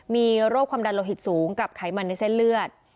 มีโรคความดันโลหิตสูงกับไขมันในเส้นเลือด